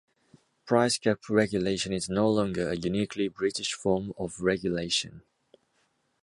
Price-cap regulation is no longer a uniquely British form of regulation.